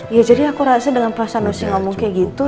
ya jadi aku rasa dengan perasaan dia sih kalo ngomong kayak gitu